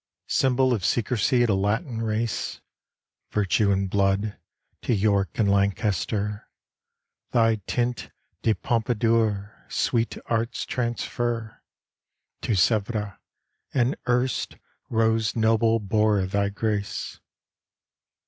Symbol of secrecy to Latin race, Virtue and blood to York and Lancaster, Thy tint de Pompadour sweet arts transfer To Sevres', and erst "rose noble" bore thy grace.